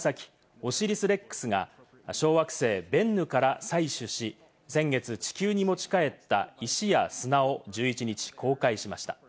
「オシリス・レックス」が小惑星ベンヌから採取し、先月、地球に持ち帰った石や砂を１１日公開しました。